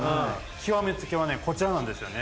極め付きはねこちらなんですよね。